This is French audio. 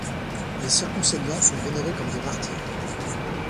Les circoncellions sont vénérés comme des martyrs.